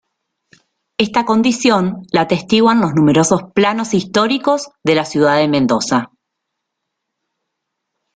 Esta condición la atestiguan los numerosos planos históricos de la Ciudad de Mendoza.